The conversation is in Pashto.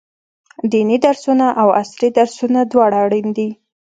ديني درسونه او عصري درسونه دواړه اړين دي.